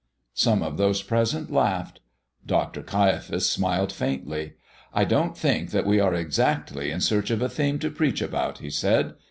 Some of those present laughed. Dr. Caiaphas smiled faintly. "I don't think that we are exactly in search of a theme to preach about," he said.